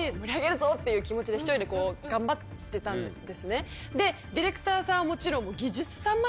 っていう気持ちで１人で頑張ってたんですね。